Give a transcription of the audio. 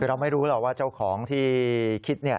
คือเราไม่รู้หรอกว่าเจ้าของที่คิด